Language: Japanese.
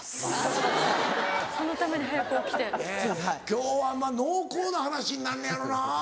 今日は濃厚な話になんのやろな。